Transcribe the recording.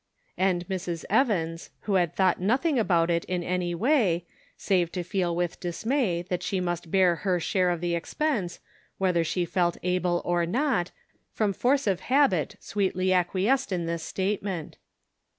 " And Mrs. Evans, who had thought nothing about it in any way, save to feel with dismay that she must bear her share of the expense, whether she felt able or not, from force of habit sweetly acquiesced in this statement.